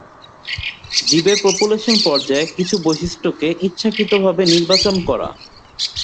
জীবের পপুলেশন পর্যায়ে কিছু বৈশিষ্ট্যকে ইচ্ছাকৃতভাবে নির্বাচন করা।